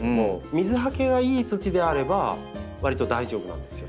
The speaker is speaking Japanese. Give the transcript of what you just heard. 水はけがいい土であればわりと大丈夫なんですよ。